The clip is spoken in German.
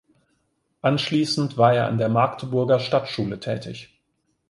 Anschließend war er an der Magdeburger Stadtschule tätig.